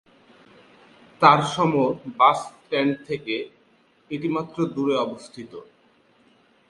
Tambaram bus stand থেকে এটি মাত্র দূরে অবস্থিত।